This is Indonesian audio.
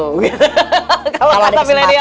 kalau ada kesempatan